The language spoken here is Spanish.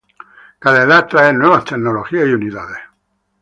Cada edad trae nuevas tecnologías y unidades.